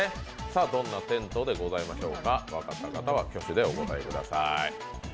さあ、どんなテントでございましょうか、分かった方は挙手でお答えください。